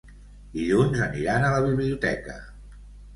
Dilluns aniran a la biblioteca.